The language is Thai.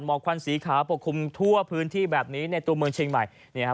กควันสีขาวปกคลุมทั่วพื้นที่แบบนี้ในตัวเมืองเชียงใหม่